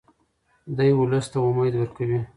دی ولس ته امید ورکوي.